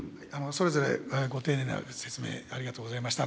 それぞれご丁寧な説明、ありがとうございました。